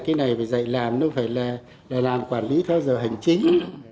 cái này phải dạy làm nó phải là làm quản lý theo giờ hành chính